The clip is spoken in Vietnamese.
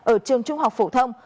ở trường trung học phổ thông